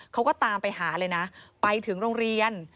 เขาก็ตามไปหาเลยนะไปถึงโรงเรียน